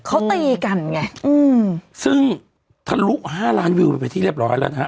เขาตีกันไงอืมซึ่งถะลุห้าลานเรียบร้อยแล้วนะคะ